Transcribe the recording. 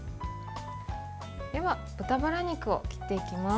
では、豚バラ肉を切っていきます。